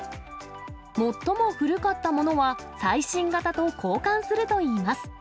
最も古かったものは、最新型と交換するといいます。